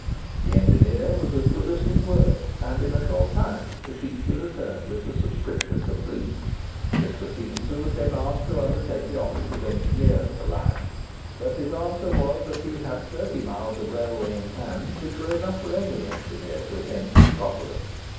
The engineer was as good as his word, and in a short time the sheet was returned with the subscription complete. Mr. Stephenson was then asked to undertake the office of engineer for the line, but his answer was that he had thirty miles of railway in hand, which were enough for any engineer to attend to properly.